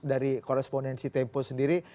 dari koresponensi tempo sendiri